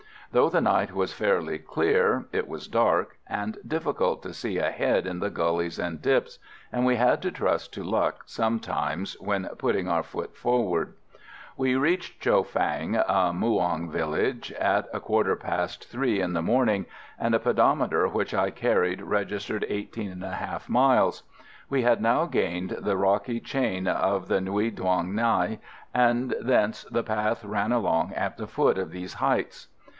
Though the night was fairly clear it was dark, and difficult to see ahead in the gullies and dips, and we had to trust to luck sometimes when putting our foot forward. We reached Cho Phang, a Muong village, at a quarter past three in the morning, and a pedometer which I carried registered 18 1/2 miles. We had now gained the rocky chain of the Nui Dong Nai, and thence the path ran along at the foot of these heights.